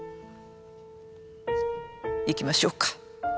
行きましょうか。